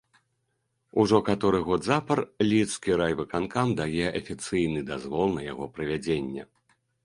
Ужо каторы год запар лідскі райвыканкам дае афіцыйны дазвол на яго правядзенне.